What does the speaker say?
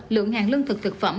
lượng hàng lương thực thực phẩm